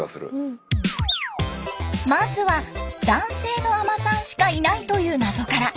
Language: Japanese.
まずは男性の海人さんしかいないという謎から。